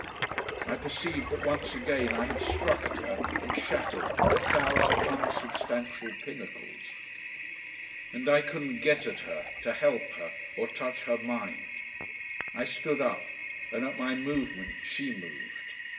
I perceived that once again I had struck at her and shattered a thousand unsubstantial pinnacles. And I couldn't get at her, to help her, or touch her mind! I stood up, and at my movement she moved.